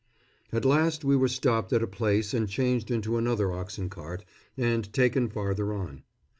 At last we were stopped at a place and changed into another oxen cart, and taken farther on.